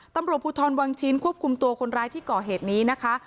ตำรวจภูทรวังชิ้นควบคุมตัวคนร้ายที่ก่อเหตุนี้นะคะ